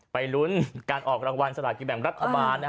ลุ้นการออกรางวัลสลากินแบ่งรัฐบาล